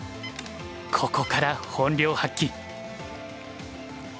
ここから本領発揮。